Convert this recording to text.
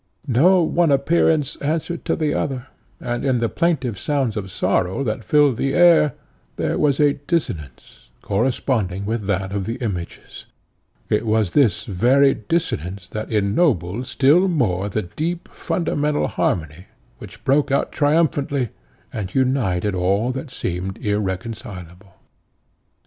No one appearance answered to the other, and in the plaintive sounds of sorrow that filled the air, there was a dissonance, corresponding with that of the images. But it was this very dissonance that ennobled still more the deep fundamental harmony, which broke out triumphantly, and united all that seemed irreconcileable.